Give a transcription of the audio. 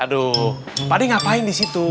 aduh pade ngapain disitu